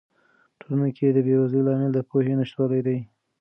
په ټولنه کې د بې وزلۍ لامل د پوهې نشتوالی دی.